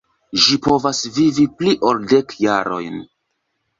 Ĝi povas vivi pli ol dek jarojn.